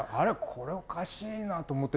これ、おかしいなと思って。